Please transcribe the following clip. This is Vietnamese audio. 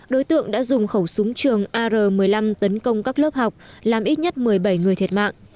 đối tượng đã dùng khẩu súng trường ar một mươi năm tấn công các lớp học làm ít nhất một mươi bảy người thiệt mạng